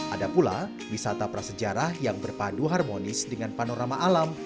ada pula wisata prasejarah yang berpadu harmonis dengan panorama alam